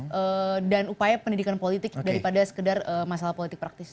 untuk membangun komunikasi politik dan pendidikan politik daripada sekedar masalah politik praktis